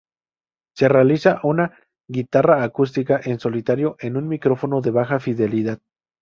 Se realiza en una guitarra acústica en solitario en un micrófono de baja fidelidad.